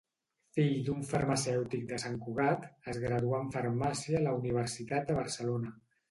Fill d'un farmacèutic de Sant Cugat, es graduà en farmàcia a la Universitat de Barcelona.